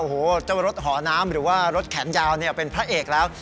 โอ้โหเจ้ารถหอน้ำหรือว่ารถแขนยาวเป็นพระเอกแล้ว